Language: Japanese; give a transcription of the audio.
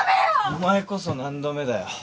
お前こそ何度目だよ。